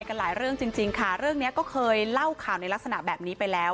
กันหลายเรื่องจริงค่ะเรื่องนี้ก็เคยเล่าข่าวในลักษณะแบบนี้ไปแล้ว